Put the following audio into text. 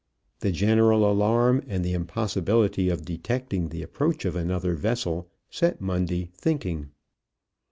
The general alarm and the impossibility of detecting the approach of another vessel set Mundy thinking.